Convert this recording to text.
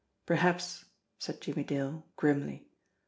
"Perhaps !" said Jimmie Dale grimly.